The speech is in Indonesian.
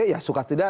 ya suka tidak